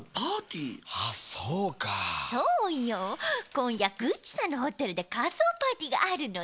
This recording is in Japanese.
こんやグッチさんのホテルでかそうパーティーがあるのよ。